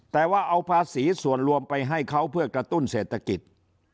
แต่ว่าเอาภาษีส่วนรวมไปให้เขาเพื่อกระตุ้นเศรษฐกิจ